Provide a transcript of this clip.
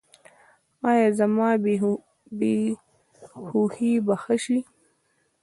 ایا زما بې هوښي به ښه شي؟